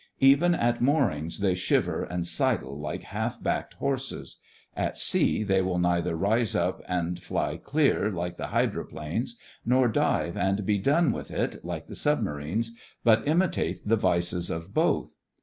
Even at moorings they shiver and sidle like half backed horses. At sea they will neither rise up and fly clear like the hydro planes, nor dive and be done with it like the submarines, but imitate the vices of both.